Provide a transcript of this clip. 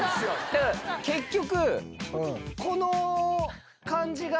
だから結局。